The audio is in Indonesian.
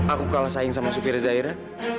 aku kalah saing sama supir zaira